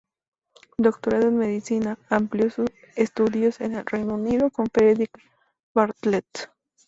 Doctorado en Medicina, amplió estudios en el Reino Unido con Frederic Bartlett.